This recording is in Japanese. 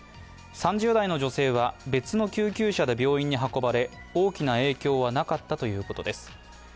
３０代の女性は別の救急車で病院に運ばれ大きな影響はなかったということです。